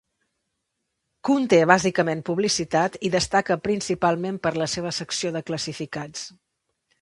Conté bàsicament publicitat, i destaca principalment per la seva secció de classificats.